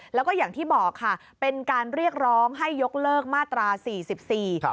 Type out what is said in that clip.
แล้วก็อย่างที่บอกค่ะเป็นการเรียกร้องให้ยกเลิกมาตราสี่สิบสี่ครับ